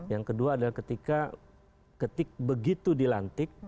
yang kedua adalah ketika begitu dilantik